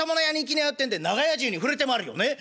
ってんで長屋中に触れて回るよねっ。